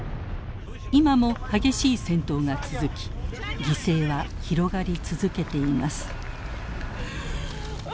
今も激しい戦闘が続き犠牲は広がり続けています。